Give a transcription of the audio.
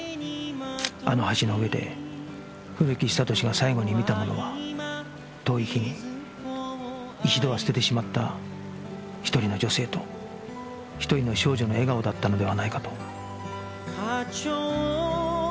あの橋の上で古木久俊が最後に見たものは遠い日に一度は捨ててしまった１人の女性と１人の少女の笑顔だったのではないかと